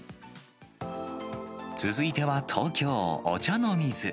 続いては東京・お茶の水。